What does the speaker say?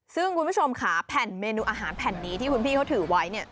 ซึ่งคุณผู้ชมค่ะแผ่นเมนูอาหารแผ่นนี้ที่คุณพี่เขาถือไว้เนี่ย